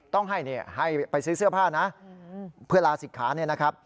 ต้องให้ไปซื้อเสื้อผ้านะเพื่อลาศิกขาเนี่ยนะครับ